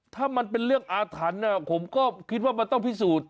ถ้ามันเป็นเรื่องอาถรรพ์ผมก็คิดว่ามันต้องพิสูจน์